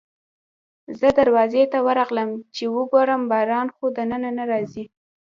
زه دروازې ته ورغلم چې وګورم باران خو دننه نه راځي.